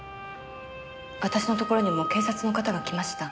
私のところにも警察の方が来ました。